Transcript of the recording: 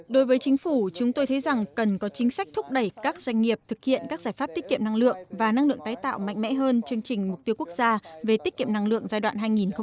đối với chính phủ chúng tôi thấy rằng cần có chính sách thúc đẩy các doanh nghiệp thực hiện các giải pháp tiết kiệm năng lượng và năng lượng tái tạo mạnh mẽ hơn chương trình mục tiêu quốc gia về tiết kiệm năng lượng giai đoạn hai nghìn hai mươi một hai nghìn ba mươi